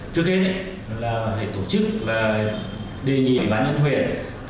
trước hết là hệ tổ chức đề nghị bán nhân huyện